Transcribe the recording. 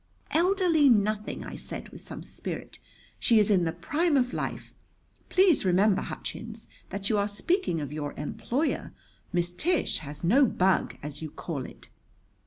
"Elderly nothing!" I said, with some spirit. "She is in the prime of life. Please remember, Hutchins, that you are speaking of your employer. Miss Tish has no bug, as you call it."